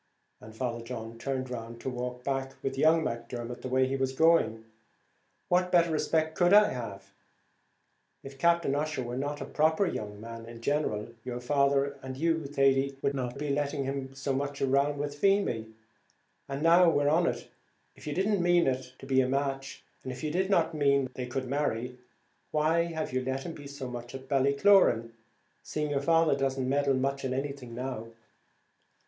and Father John turned round to walk back with young Macdermot the way he was going, "what better respect could I have? If Captain Ussher were not a proper young man in general, your father and you, Thady, wouldn't be letting him be so much with Feemy; and, now we're on it, if you did not mean it to be a match, and if you did not mean they should marry, why have you let him be so much at Ballycloran, seeing your father doesn't meddle much in anything now?"